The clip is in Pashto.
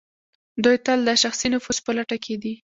دوی تل د شخصي نفوذ په لټه کې دي.